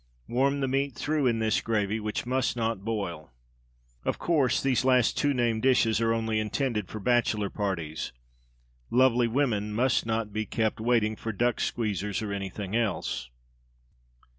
Warm the meat through in this gravy, which must not boil. Of course these two last named dishes are only intended for bachelor parties. Lovely woman must not be kept waiting for "duck squeezers" or anything else.